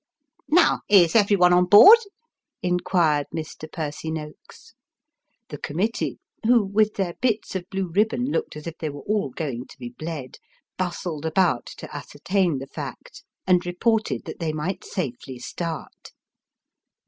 "Now, is every one on board? " inquired Mr. Percy Noakes. The committee (who, with their bits of blue ribbon, looked as if they were all going to be bled) bustled about to ascertain the fact, and reported that they might safely start.